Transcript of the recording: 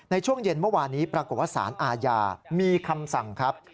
ในช่วงเย็นเมื่อวานนี้ปรากฏว่าสารอาญามีคำสั่งครับ